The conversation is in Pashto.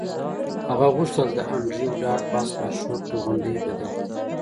هغه غوښتل د انډریو ډاټ باس لارښود توغندی بدل کړي